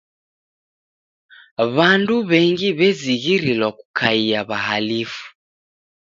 W'andu w'engi w'ezighirilwa kukaia w'ahalifu.